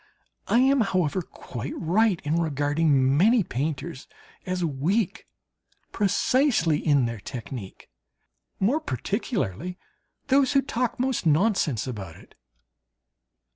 I am, however, quite right in regarding many painters as weak precisely in their technique more particularly those who talk most nonsense about it.